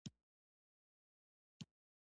ځینې جزئي موردونو تېروتلي وو.